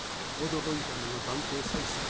驚いたのが番頭さいすけ。